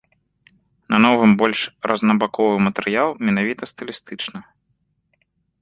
На новым больш рознабаковы матэрыял менавіта стылістычна.